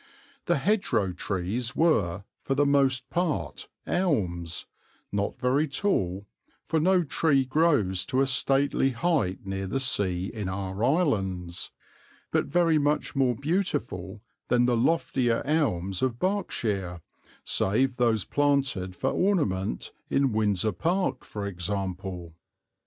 The hedgerow trees were, for the most part, elms, not very tall, for no tree grows to a stately height near the sea in our islands, but very much more beautiful than the loftier elms of Berkshire, save those planted for ornament, in Windsor Park for example.